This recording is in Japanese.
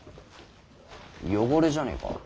汚れじゃねえか？